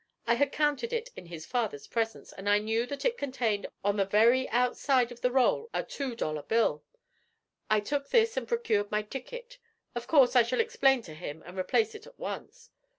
I had counted it in his father's presence, and knew that it contained on the very outside of the roll a two dollar bill. I took this and procured my ticket. Of course I shall explain to him and replace it at once.'